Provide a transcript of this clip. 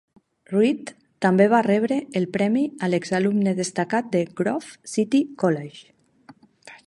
Reed també va rebre el premi a l'exalumne destacat de Grove City College.